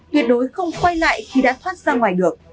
tuyệt đối không quay lại khi đã thoát ra ngoài được